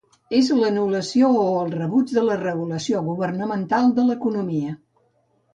És l"anulació o el rebuig de la regulació governamental de l"economia.